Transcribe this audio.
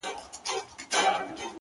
موږ په اصل او نسب سره خپلوان یو٫